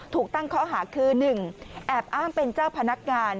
ถูกตั้งข้อหาคือ๑แอบอ้างเป็นเจ้าพนักงาน